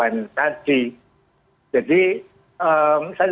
jadi saya tidak mau berlipat tentang apa apa penyebabnya